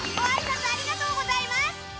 ありがとうございます！